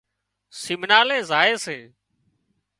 سمنالي زائي سي